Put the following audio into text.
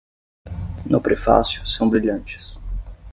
no Prefácio, são brilhantes